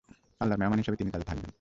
আল্লাহর মেহমান হিসেবে তিনি তাতে থাকবেন।